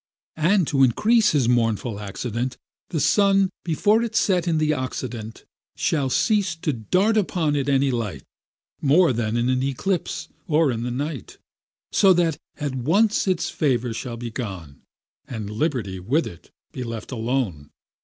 And to increase his mournful accident, The sun, before it set in th' occident, Shall cease to dart upon it any light, More than in an eclipse, or in the night, So that at once its favour shall be gone, And liberty with it be left alone.